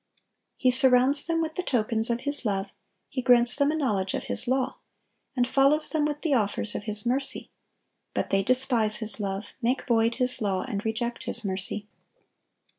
He surrounds them with the tokens of His love, He grants them a knowledge of His law, and follows them with the offers of His mercy; but they despise His love, make void His law, and reject His mercy.